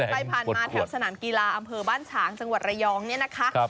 ไปผ่านมาแถวสนามกีฬาอำเภอบ้านฉางจังหวัดระยองเนี่ยนะคะ